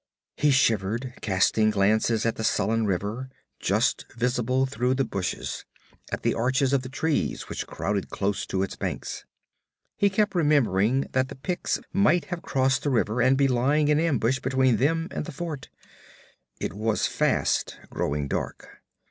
He shivered, casting glances at the sullen river, just visible through the bushes, at the arches of the trees which crowded close to its banks. He kept remembering that the Picts might have crossed the river and be lying in ambush between them and the fort. It was fast growing dark.